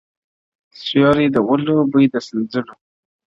• سیوري د ولو بوی د سنځلو -